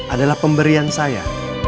adalah pemberian saya